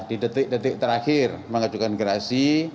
di detik detik terakhir mengajukan gerasi